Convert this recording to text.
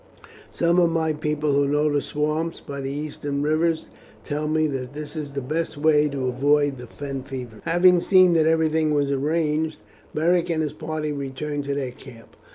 Some of my people who know the swamps by the eastern rivers tell me that this is the best way to avoid the fen fevers." Having seen that everything was arranged, Beric and his party returned to their camp.